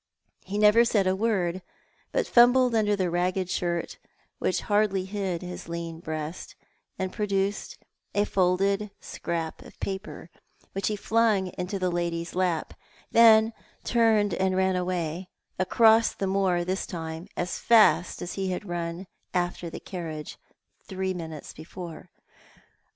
Ho said never a word, but fumbled under the ragged shirt which hardly hid his lean breast, and produced a folded scrap of paper, which he flung into the lady's lap, tlien turned and lau away — across the moor this time, as fast as ho had run after the carriage three minutes before.